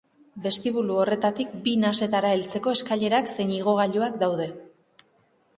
Bestibulu horretatik bi nasetara heltzeko eskailerak zein igogailuak daude.